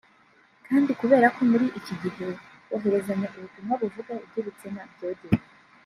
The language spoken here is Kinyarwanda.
Kandi kubera ko muri iki gihe kohererezanya ubutumwa buvuga iby’ibitsina byogeye